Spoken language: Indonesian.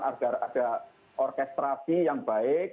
agar ada orkestrasi yang baik